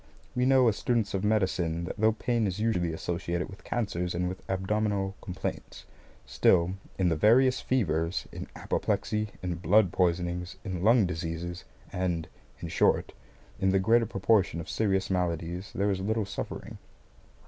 We know, as students of medicine, that though pain is usually associated with cancers and with abdominal complaints; still, in the various fevers, in apoplexy, in blood poisonings, in lung diseases, and, in short, in the greater proportion of serious maladies, there is little suffering.